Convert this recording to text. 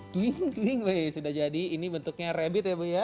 tuing tuing tuing sudah jadi ini bentuknya rabbit ya bu ya